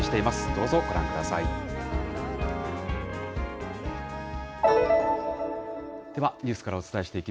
どうぞご覧ください。